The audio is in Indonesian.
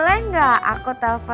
jangan lupa dikit